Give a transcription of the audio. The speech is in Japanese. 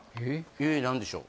え何でしょう？